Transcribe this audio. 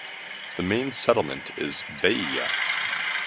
The main settlement is Vaiea.